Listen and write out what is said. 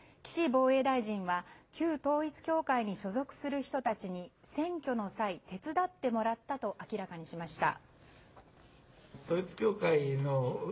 防衛大臣は旧統一教会に所属する人たちに選挙の際、手伝ってもらったと明らかにしました。